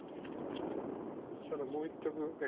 ただもう一着。